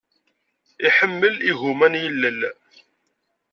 Iḥemmel igumma n yilel.